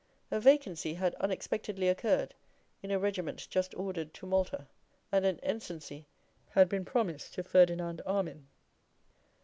A vacancy had unexpectedly occurred in a regiment just ordered to Malta, and an ensigncy had been promised to Ferdinand Armine.